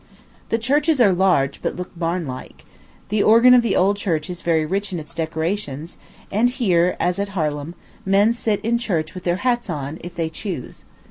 The churches are large, but look barn like. The organ of the old church is very rich in its decorations; and here, as at Harlem, men sit in church with their hats on, if they choose.